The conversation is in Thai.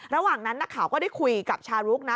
ระหว่างนั้นนักข่าวก็ได้คุยกับชารุกนะ